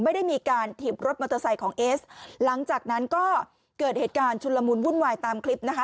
ไม่ได้มีการถีบรถมอเตอร์ไซค์ของเอสหลังจากนั้นก็เกิดเหตุการณ์ชุนละมุนวุ่นวายตามคลิปนะคะ